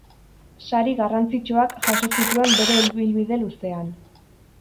Sari garrantzitsuak jaso zituen bere ibilbide luzean.